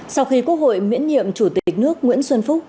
sau khi quốc hội miễn nhiệm chủ tịch nước nguyễn xuân phúc